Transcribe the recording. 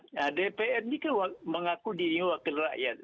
nah dpr ini kan mengaku dirinya wakil rakyat